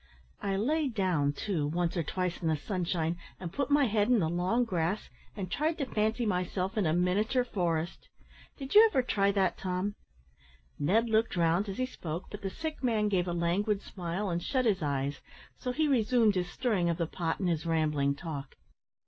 I lay down, too, once or twice in the sunshine, and put my head in the long grass, and tried to fancy myself in a miniature forest. Did you ever try that, Tom!" Ned looked round as he spoke, but the sick man gave a languid smile, and shut his eyes, so he resumed his stirring of the pot and his rambling talk.